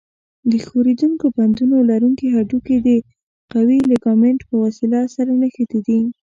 د ښورېدونکو بندونو لرونکي هډوکي د قوي لیګامنت په وسیله سره نښتي دي.